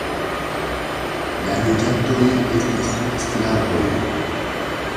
La loĝantoj estis slavoj.